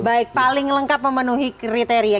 baik paling lengkap memenuhi kriteria